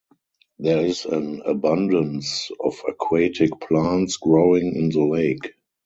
There is an abundance of aquatic plants growing in the lake.